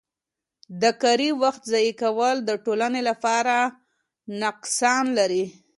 د کاري وخت ضایع کول د ټولنې لپاره نقصان لري.